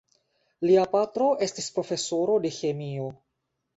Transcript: Lia patro estis profesoro de ĥemio.